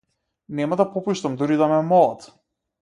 Нема да попуштам дури и да ме молат.